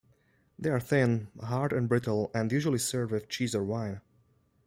They are thin, hard and brittle, and usually served with cheese or wine.